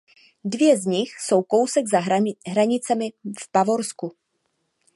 Dvě z nich jsou kousek za hranicemi v Bavorsku.